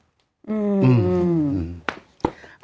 อืม